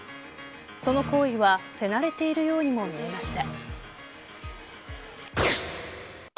その行為は、手馴れているようにも見えました。